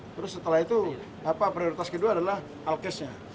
terus setelah itu prioritas kedua adalah alkesnya